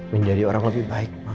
menjadi orang lebih baik